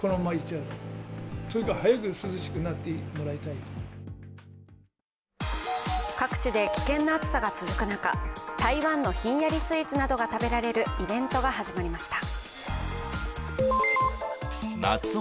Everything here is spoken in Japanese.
今後、懸念されるのは各地で危険な暑さが続く中台湾のひんやりスイーツなどが食べられるイベントが始まりました。